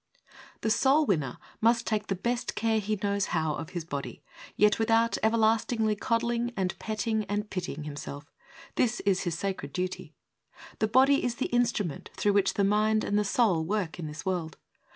The soul winner must take the best care he knows how of his body, yet without everlast ingly cuddling and petting and pitying him self. This is his sacred duty. The body is the instrument through which the mind and the soul work in this world.